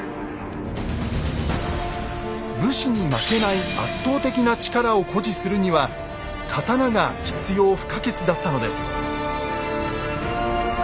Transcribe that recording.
武士に負けない圧倒的な力を誇示するには「刀」が必要不可欠だったのです。